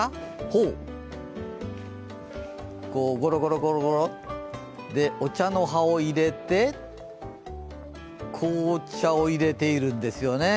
ほお、ゴロゴロ、お茶の葉を入れて、紅茶を入れているんですよね。